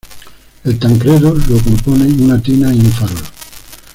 El tancredo lo componen una tina y un farol.